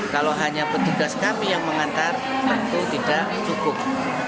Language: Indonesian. kalau hanya petugas kami yang mengantar tentu tidak cukup